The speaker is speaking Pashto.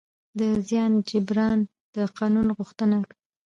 د زیان جبران د قانون غوښتنه ده.